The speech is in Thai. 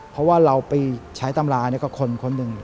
เพราะว่าเราไปใช้ตำราก็คนหนึ่ง